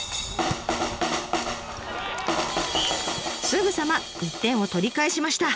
すぐさま１点を取り返しました。